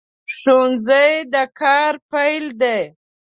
ښوونځی د کار پیل دی